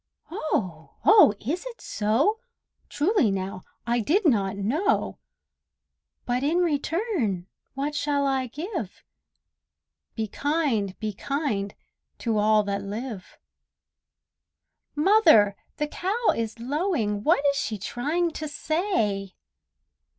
Oh! oh! is it so? Truly now, I did not know! But in return what shall I give? "Be kind, be kind, to all that live!" Mother, the cow is lowing; What is she trying to say?